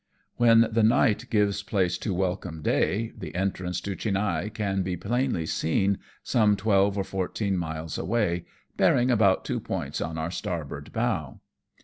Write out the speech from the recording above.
"When the night gives place to welcome day, the entrance to Chinhae can be plainly seen, some twelve or fourteen miles away^ bearing about two points on our starboard bow.